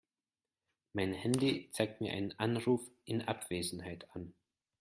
Mein Handy zeigt mir einen Anruf in Abwesenheit an.